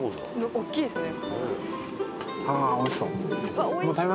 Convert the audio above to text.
「大きいですね」